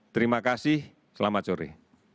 terima kasih selamat sore